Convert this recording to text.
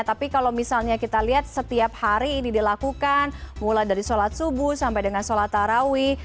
tapi kalau misalnya kita lihat setiap hari ini dilakukan mulai dari sholat subuh sampai dengan sholat tarawih